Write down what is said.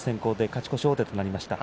勝ち越し王手となりました。